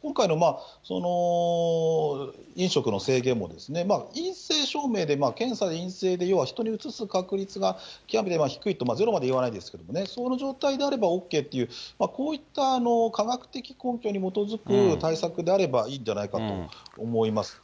今回の飲食の制限も、陰性証明で、検査で陰性で、要は人にうつす確率が極めて低いと、ゼロまでは言わないですけどね、その状態であればＯＫという、こういった科学的根拠に基づく対策であればいいんじゃないかと思います。